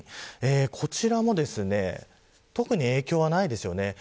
こちらも特に影響はないです。